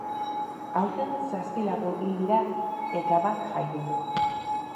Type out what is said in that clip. Aurten zazpi lagun hil dira eta bat jaio.